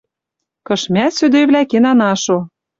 Кыш мӓ, сӧдӧйвлӓ, кен ана шо.